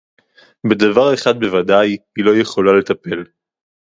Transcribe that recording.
בדבר אחד בוודאי היא לא יכולה לטפל